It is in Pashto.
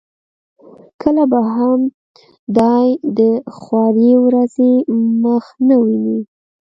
کله به هم دای د خوارې ورځې مخ نه وویني.